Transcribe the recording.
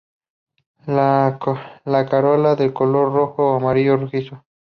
La corola de color rojo o amarillo rojizo.